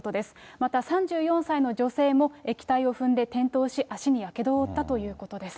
また３４歳の女性も液体を踏んで転倒し、足にやけどを負ったということです。